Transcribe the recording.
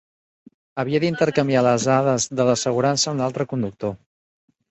Havia d'intercanviar les dades de l'assegurança amb l'altre conductor.